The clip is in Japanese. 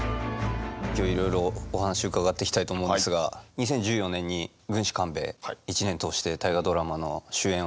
今日いろいろお話伺っていきたいと思うんですが２０１４年に「軍師官兵衛」１年通して「大河ドラマ」の主演をされてるじゃないですか。